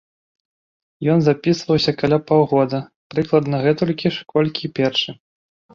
Ён запісваўся каля паўгода, прыкладна гэтулькі ж, колькі і першы.